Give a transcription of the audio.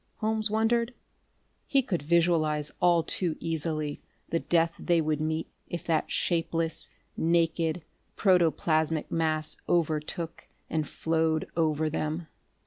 Holmes wondered. He could visualize all too easily the death they would meet if that shapeless, naked protoplasmic mass overtook and flowed over them....